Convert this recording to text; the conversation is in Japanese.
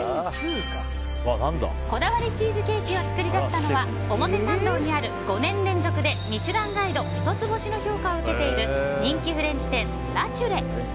こだわりチーズケーキを作り出したのは表参道にある５年連続で「ミシュランガイド」一つ星の評価を受けている人気フレンチ店ＬＡＴＵＲＥ。